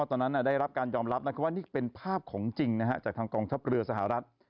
ตอนนั้นได้รับการยอมรับว่านี่เป็นภาพของจริงจากทางกองทัพเรือสหรัฐ